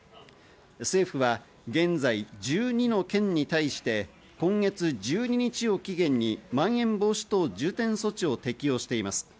政府は現在、１２の県に対して、今月１２日を期限にまん延防止等重点措置を適用しています。